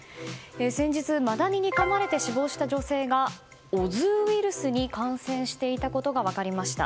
先日マダニにかまれて死亡した女性がオズウイルスに感染していたことが分かりました。